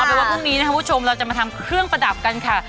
เอาไปว่าพรุ่งนี้นะคะเราจะมาทำเครื่องประดับกันค่ะ